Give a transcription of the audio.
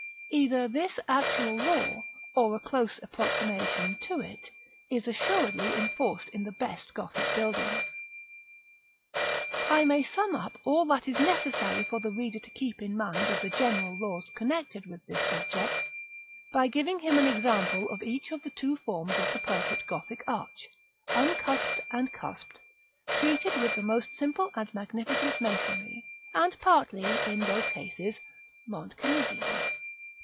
Either this actual law, or a close approximation to it, is assuredly enforced in the best Gothic buildings. § XXIII. I may sum up all that it is necessary for the reader to keep in mind of the general laws connected with this subject, by giving him an example of each of the two forms of the perfect Gothic arch, uncusped and cusped, treated with the most simple and magnificent masonry, and partly, in both cases, Mont Cenisian.